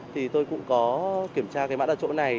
thì tôi cũng có kiểm tra cái mã đặt chỗ này